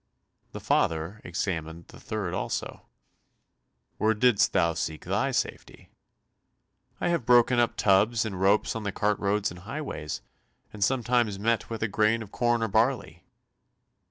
The father examined the third also: "Where didst thou seek thy safety?" "I have broken up tubs and ropes on the cart roads and highways, and sometimes met with a grain of corn or barley."